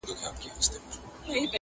هم ګونګی سو هم یې مځکه نه لیدله!.